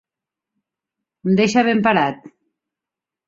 Em deixa ben parat.